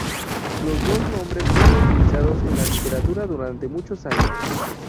Los dos nombres fueron utilizados en la literatura durante muchos años.